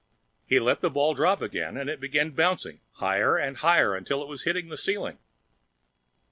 He let the ball drop again and it began bouncing, higher and higher, until it was hitting the ceiling.